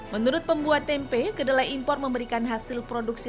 menurut pembuat tempe kedelai impor memberikan hasil produksi